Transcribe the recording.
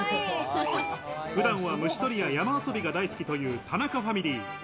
普段は虫取りや山遊びが大好きという田中ファミリー。